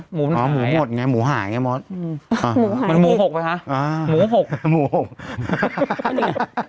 อ๋อหมูหมดไงมราหมูหายไง